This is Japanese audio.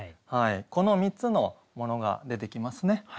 この３つのモノが出てきますね。